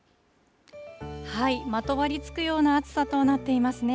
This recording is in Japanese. まとわりつくような暑さとなっていますね。